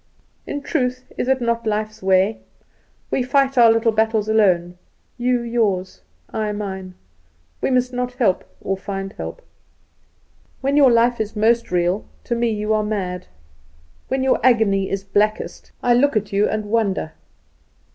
In truth, is it not life's way? We fight our little battles alone; you yours, I mine. We must not help or find help. When your life is most real, to me you are mad; when your agony is blackest, I look at you and wonder.